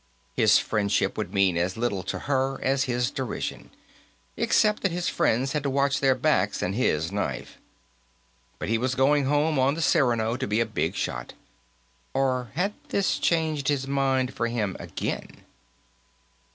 His friendship would mean as little to her as his derision except that his friends had to watch their backs and his knife. But he was going home on the Cyrano, to be a big shot. Or had this changed his mind for him again?